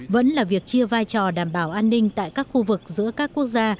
vẫn là việc chia vai trò đảm bảo an ninh tại các khu vực giữa các quốc gia